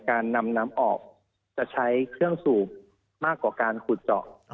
การนำน้ำออกจะใช้เครื่องสูบมากกว่าการขุดเจาะ